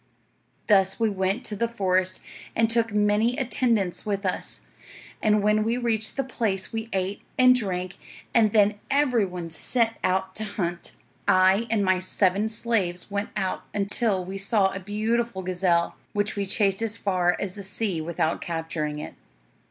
"'Thus we went to the forest, and took many attendants with us; and when we reached the place we ate and drank, and then every one set out to hunt. "'I and my seven slaves went on until we saw a beautiful gazelle, which we chased as far as the sea without capturing it.